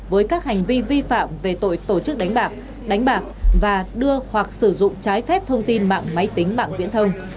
với các hành vi vi phạm về tội tổ chức đánh bạc đánh bạc và đưa hoặc sử dụng trái phép thông tin mạng máy tính mạng viễn thông